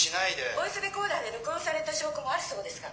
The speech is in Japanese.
「ボイスレコーダーで録音された証拠もあるそうですが」。